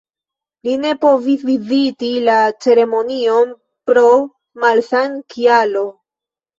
Li ne povis viziti la ceremonion pro malsan-kialo.